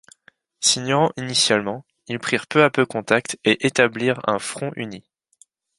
S'ignorant initialement, ils prirent peu à peu contact et établirent un front uni.